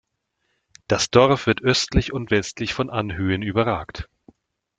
Das Dorf wird östlich und westlich von Anhöhen überragt.